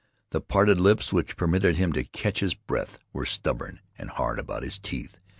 The parted lips which permitted him to catch his breath were stubborn and hard about his teeth.